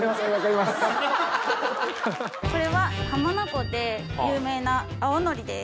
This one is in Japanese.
これは浜名湖で有名な青のりです。